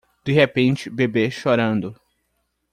De repente bebê chorando